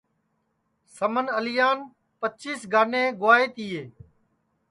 سمن اعلیان پچیس گانیں گُوائے تیے